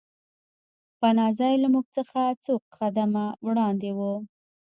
پناه ځای له موږ څخه څو سوه قدمه وړاندې و